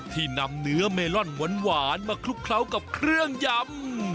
ที่นำเนื้อเมลอนหวานมาคลุกเคล้ากับเครื่องยำ